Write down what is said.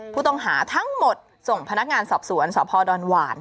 ผู้ต้องหาทั้งหมดส่งพนักงานสอบสวนสพดอนหวาน